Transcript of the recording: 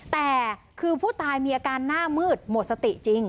แต่คือผู้ตายมีอาการหน้ามืดหมดสติจริง